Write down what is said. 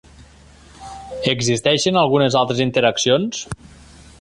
Existeixen algunes altres interaccions.